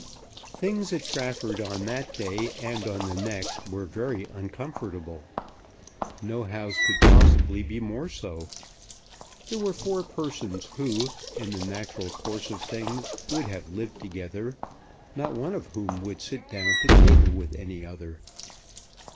Things at Trafford on that day and on the next were very uncomfortable. No house could possibly be more so. There were four persons who, in the natural course of things, would have lived together, not one of whom would sit down to table with any other.